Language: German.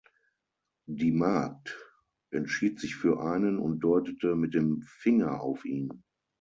Die Magd entschied sich für einen und deutete mit dem Finger auf ihn.